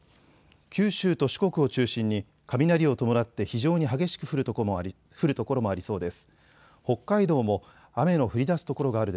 九州と四国を中心に雷を伴って非常に激しく降る所もありそうです。